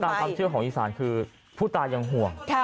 ความเชื่อของอีสานคือผู้ตายังห่วง